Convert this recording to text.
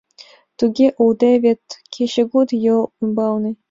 — Туге улде, вет кечыгут йол ӱмбалне.